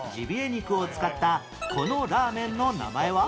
肉を使ったこのラーメンの名前は？